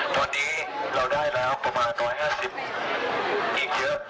ตอนนี้เราได้แล้วประมาณ๑๕๐ที่เยอะ